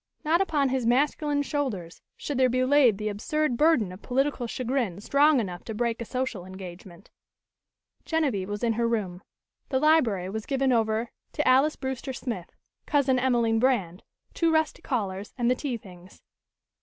Not upon his masculine shoulders should there be laid the absurd burden of political chagrin strong enough to break a social engagement. Genevieve was in her room. The library was given over to Alys Brewster Smith, Cousin Emelene Brand, two rusty callers and the tea things.